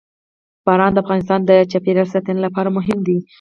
باران د افغانستان د چاپیریال ساتنې لپاره مهم دي.